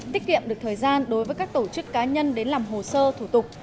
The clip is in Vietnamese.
tiết kiệm được thời gian đối với các tổ chức cá nhân đến làm hồ sơ thủ tục